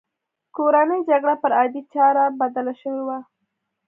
کورنۍ جګړه پر عادي چاره بدله شوې وه